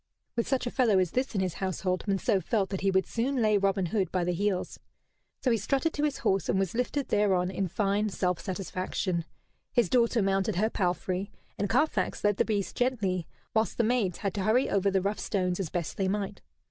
With such a fellow as this in his household Monceux felt that he would soon lay Robin Hood by the heels. So he strutted to his horse, and was lifted thereon in fine self satisfaction. His daughter mounted her palfrey, and Carfax led the beast gently, whilst the maids had to hurry over the rough stones as best they might.